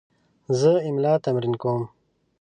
زه املا تمرین کوم.